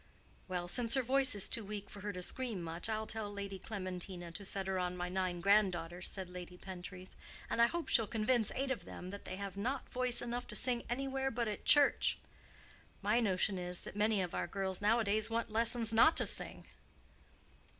"Well, since her voice is too weak for her to scream much, I'll tell Lady Clementina to set her on my nine granddaughters," said Lady Pentreath; "and I hope she'll convince eight of them that they have not voice enough to sing anywhere but at church. My notion is, that many of our girls nowadays want lessons not to sing."